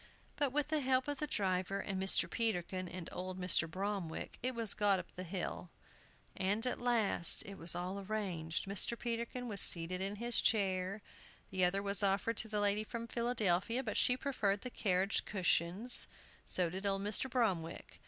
But with the help of the driver, and Mr. Peterkin, and old Mr. Bromwick, it was got up the hill. And at last all was arranged. Mr. Peterkin was seated in his chair. The other was offered to the lady from Philadelphia, but she preferred the carriage cushions; so did old Mr. Bromwick.